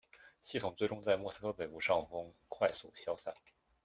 系统最终在墨西哥北部上空快速消散。